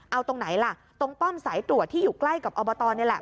เอาตรงไหนล่ะตรงป้อมสายตรวจที่อยู่ใกล้กับอบตนี่แหละ